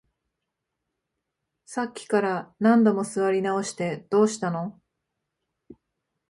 さっきから何度も座り直して、どうしたの？